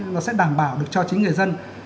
nó sẽ đảm bảo được cho chính người dân